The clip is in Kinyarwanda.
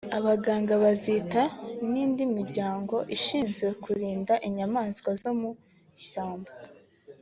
abaganga bazitaho n’indi miryango ishinzwe kurinda inyamaswa zo mu ishyamba